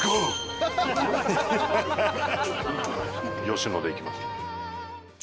吉乃でいきます。